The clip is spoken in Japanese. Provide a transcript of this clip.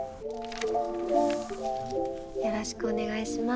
よろしくお願いします。